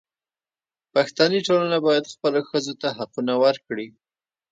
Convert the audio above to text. پښتني ټولنه باید خپلو ښځو ته حقونه ورکړي.